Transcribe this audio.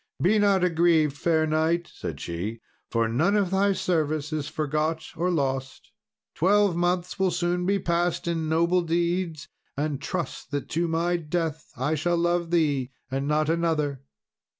"Be not aggrieved, fair knight," said she, "for none of thy service is forgot or lost. Twelve months will soon be passed in noble deeds; and trust that to my death I shall love thee and not another."